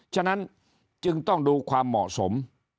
ฉะนั้นจึงต้องดูความเหมาะสม